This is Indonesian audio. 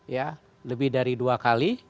ya lebih dari dua kali